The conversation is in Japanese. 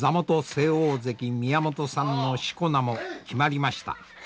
正大関宮本さんの四股名も決まりました。